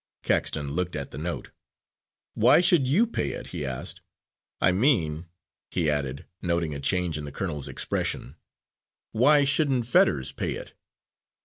Caxton looked at the note. "Why should you pay it?" he asked. "I mean," he added, noting a change in the colonel's expression, "why shouldn't Fetters pay it?"